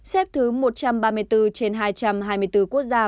xếp thứ một trăm ba mươi bốn trên hai trăm hai mươi bốn quốc gia